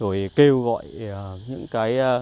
rồi kêu gọi những cái